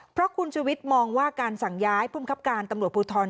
เพราะคุณชุวิตมองว่าการสั่งย้ายภูมิคับการตำรวจภูทร